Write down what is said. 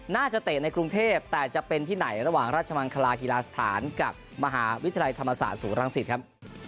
เตะในกรุงเทพแต่จะเป็นที่ไหนระหว่างราชมังคลาฮีลาสถานกับมหาวิทยาลัยธรรมศาสตร์ศูนรังสิตครับ